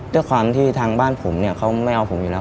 ด้วยความที่ทางบ้านผมเนี่ยเขาไม่เอาผมอยู่แล้ว